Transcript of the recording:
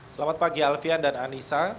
selamat pagi alfian dan anissa